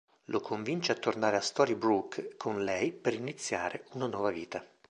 Lo convince a tornare a Storybrooke con lei per iniziare una nuova vita.